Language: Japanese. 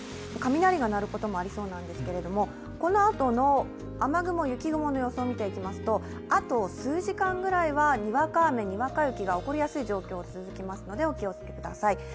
雷が鳴ることもありそうなんですけれども、このあとの雨雲、雪雲の予想を見ていきますと、あと数時間ぐらいはにわか雨、ゆにわか雪が起こりやすい状況が続きますのでお気をつけください。